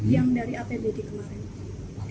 yang dari apbd kemarin